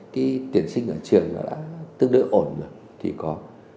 cái tuyển sinh ở trường nó đã tương đối ổn được thì có